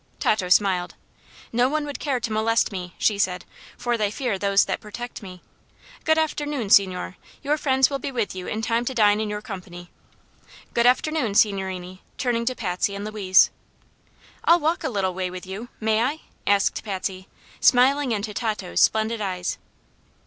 Tato smiled. "No one would care to molest me," she said; "for they fear those that protect me. Good afternoon, signore. Your friends will be with you in time to dine in your company. Good afternoon, signorini," turning to Patsy and Louise. "I'll walk a little way with you; may I?" asked Patsy, smiling into Tato's splendid eyes.